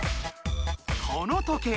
この時計